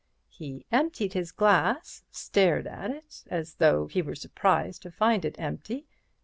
He emptied his glass—stared at it as though he were surprised to find it empty.